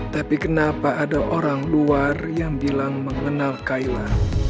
tapi kenapa ada orang luar yang bilang mengenal kayla